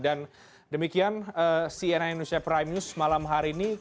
dan demikian cnn indonesia prime news malam hari ini